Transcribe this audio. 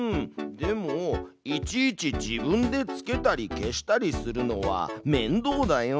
でもいちいち自分でつけたり消したりするのはめんどうだよ。